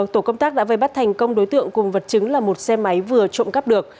tổ công tác đã vây bắt thành công đối tượng cùng vật chứng là một xe máy vừa trộm cắp được